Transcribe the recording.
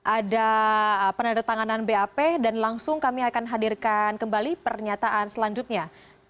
ada penandatanganan bap dan langsung kami akan hadirkan kembali pernyataan selanjutnya